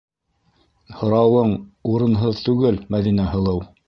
Һорауың... урынһыҙ түгел, Мәҙинә һылыу.